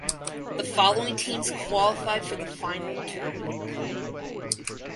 The following teams qualify for the final tournament.